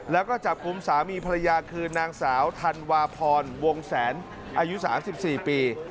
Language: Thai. แล้วก็จับกลุ่มสามีภรรยาคือนางสาวธันวาพรวงแสนอายุ๓๔ปี